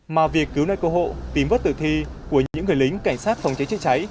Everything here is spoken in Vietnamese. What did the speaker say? mà việc cứu nạn cơ hộ tìm vất tử thi của những người lính cảnh sát phòng cháy cháy cháy